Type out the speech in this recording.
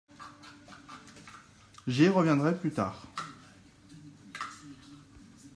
J’y reviendrai plus tard.